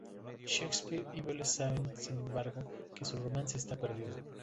Shakespeare y Viola saben, sin embargo, que su romance está perdido.